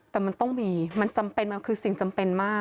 แต่มันต้องมีมันจำเป็นมันคือสิ่งจำเป็นมาก